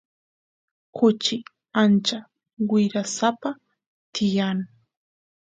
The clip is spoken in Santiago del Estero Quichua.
kuchi ancha wirasapa tiyan